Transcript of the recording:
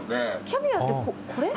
キャビアってこれ？